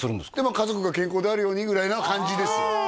家族が健康であるようにぐらいの感じですよ